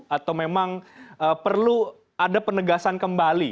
atau memang perlu ada penegasan kembali